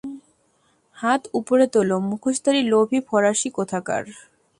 হাত উপরে তোল, মুখোশধারী লোভী ফরাসি কোথাকার!